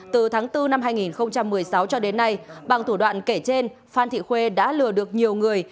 từ tháng bốn năm hai nghìn một mươi sáu cho đến nay bằng thủ đoạn kể trên phan thị khuê đã lừa được nhiều người